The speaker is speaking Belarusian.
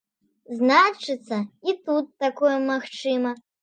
Значыцца, і тут такое магчыма.